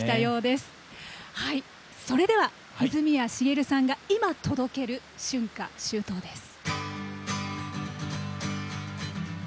それでは、泉谷しげるさんが今届ける「春夏秋冬」です。